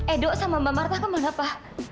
edo sama mbak marta kemana pa